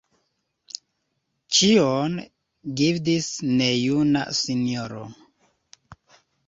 Ĉion gvidis nejuna sinjoro.